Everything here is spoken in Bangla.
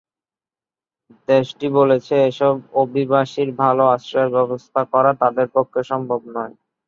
দেশটি বলেছে, এসব অভিবাসীর ভালো আশ্রয়ের ব্যবস্থা করা তাদের পক্ষে সম্ভব নয়।